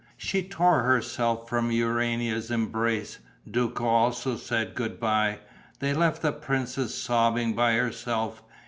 She tore herself from Urania's embrace; Duco also said good bye. They left the princess sobbing by herself.